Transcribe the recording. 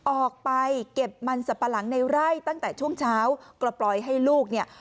ออกไปเก็บมันสับปะหลังในไร่ตั้งแต่ช่วงเช้าก็ปล่อยให้ลูกเนี่ย